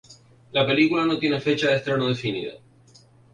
La película no tiene fecha de estreno definida.